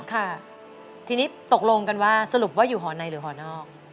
ค่ะทีนี้ตกลงกันว่าสรุปว่าอยู่หอในหรือหอนอก